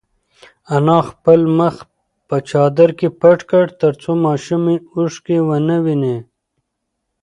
انا خپل مخ په چادر کې پټ کړ ترڅو ماشوم یې اوښکې ونه ویني.